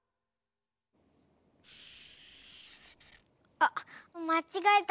あっまちがえた。